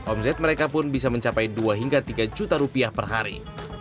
omset mereka pun bisa mencapai dua hingga tiga juta rupiah per hari